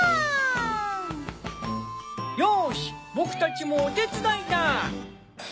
よし僕たちもお手伝いだ！